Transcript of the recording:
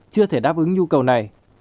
chưa thể đáp ứng nhu cầu này